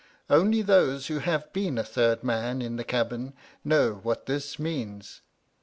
Only those who have been a third man in the cabin know what this means.